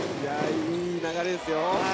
いい流れですよ。